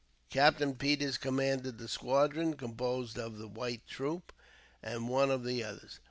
Captain Peters commanded the squadron composed of the white troop and one of the others.